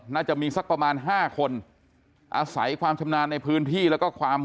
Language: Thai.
น่าจะมีสักประมาณ๕คนอาศัยความชำนาญในพื้นที่แล้วก็ความ